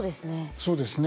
そうですね。